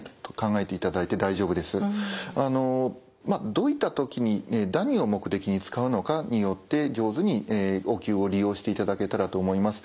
どういった時に何を目的に使うのかによって上手にお灸を利用していただけたらと思います。